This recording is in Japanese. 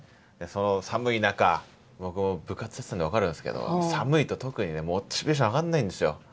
その寒い中僕も部活やってたんで分かるんですけど寒いと特にねモチベーション上がんないんですよ。